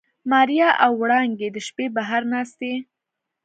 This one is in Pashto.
ماريا او وړانګې د شپې بهر ناستې.